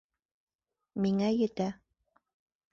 Миңә етә.